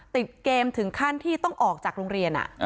ติดเกมถึงขั้นที่ต้องออกจากโรงเรียน